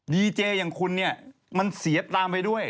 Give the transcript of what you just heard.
ดีเจอย่างคุณเนี่ยมันเสียตามไปด้วย